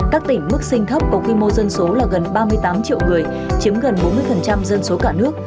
các tỉnh mức sinh thấp có quy mô dân số là gần ba mươi tám triệu người chiếm gần bốn mươi dân số cả nước